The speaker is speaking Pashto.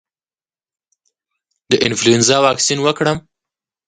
د انفلونزا واکسین وکړم؟